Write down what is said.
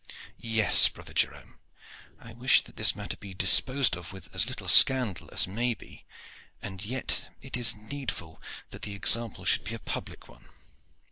"Yes, brother Jerome, I wish that this matter be disposed of with as little scandal as may be, and yet it is needful that the example should be a public one."